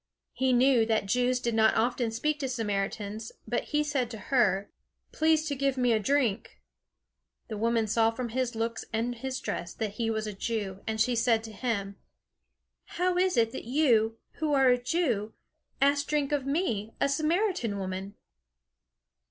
He knew that Jews did not often speak to Samaritans, but he said to her: "Please to give me a drink?" The woman saw from his looks and his dress that he was a Jew, and she said to him: "How is it that you, who are a Jew, ask drink of me, a Samaritan woman?"